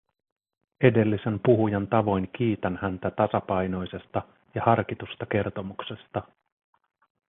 Edellisen puhujan tavoin kiitän häntä tasapainoisesta ja harkitusta kertomuksesta.